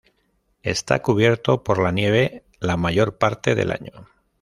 Está cubierto por la nieve la mayor parte del año.